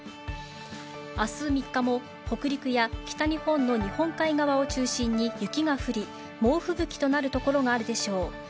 あす３日も、北陸や北日本の日本海側を中心に雪が降り、猛吹雪となる所があるでしょう。